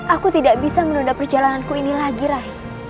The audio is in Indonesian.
aku tidak bisa menunda perjalananku ini lagi rai